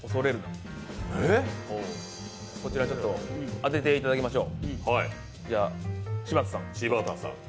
当てていただきましょう。